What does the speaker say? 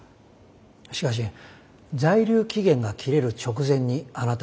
しかし在留期限が切れる直前にあなた方は結婚しています。